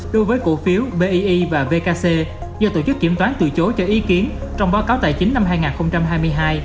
đối với cổ phiếu bi và vkc do tổ chức kiểm toán từ chối cho ý kiến trong báo cáo tài chính năm hai nghìn hai mươi hai